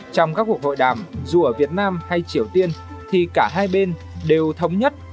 trong các cuộc hội đàm dù ở việt nam hay triều tiên thì cả hai bên đều thống nhất